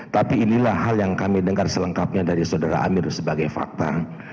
tapi inilah hal yang kami dengar selengkapnya dari saudara amir sebagai fakta